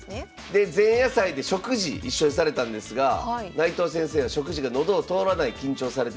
で前夜祭で食事一緒にされたんですが内藤先生は食事が喉を通らない緊張されてるから。